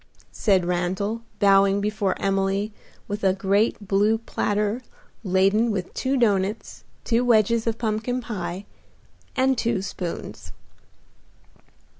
said Randal, bowing before Emily with a great blue platter laden with two doughnuts, two wedges of pumpkin pie and two spoons.